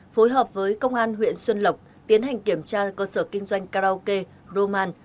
phối hợp với công an huyện xuân lộc tiến hành kiểm tra cơ sở kinh doanh karaoke roman